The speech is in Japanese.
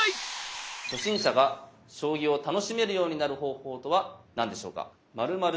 初心者が将棋を楽しめるようになる方法とは何でしょうか？